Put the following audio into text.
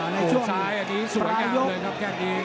ลูกซ้ายอันนี้สวยงามเลยครับแค่นี้